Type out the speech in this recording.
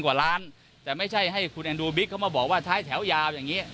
กว่าล้านแต่ไม่ใช่ให้คุณแอนดูบิ๊กเขามาบอกว่าท้ายแถวยาวอย่างนี้